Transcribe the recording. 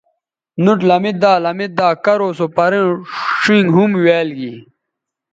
نُوٹ لمیدا لمیدا کرو سو پروں ݜینگ ھُمویال گی